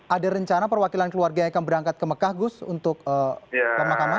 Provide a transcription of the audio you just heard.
ada rencana perwakilan keluarga yang akan berangkat ke mekah gus untuk pemakaman